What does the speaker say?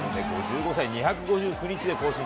５５歳２５９日で更新。